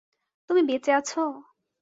তুমি বেঁচে আছো?